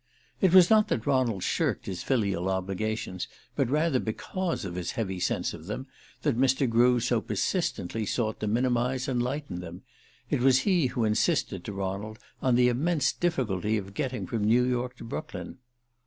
It was not that Ronald shirked his filial obligations, but rather because of his heavy sense of them, that Mr. Grew so persistently sought to minimize and lighten them. It was he who insisted, to Ronald, on the immense difficulty of getting from New York to Brooklyn.